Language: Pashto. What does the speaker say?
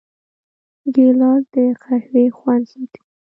ګیلاس د قهوې خوند ساتي.